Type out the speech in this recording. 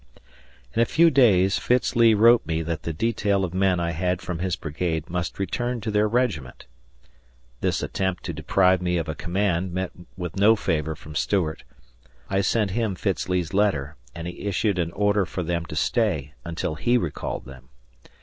In a few days Fitz Lee wrote me that the detail of men I had from his brigade must return to their regiment. This attempt to deprive me of a command met with no favor from Stuart. I sent him Fitz Lee's letter, and he issued an order for them to stay until he recalled them.